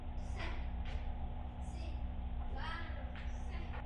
Část ostrovů je chráněným územím.